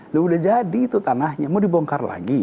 udah jadi itu tanahnya mau dibongkar lagi